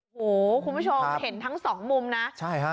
โอ้โหคุณผู้ชมเห็นทั้งสองมุมนะใช่ฮะ